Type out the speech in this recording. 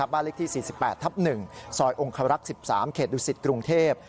บ้านเลขที่๔๘ทับ๑ซอยองคารักษ์๑๓เขตดุสิตกรุงเทพ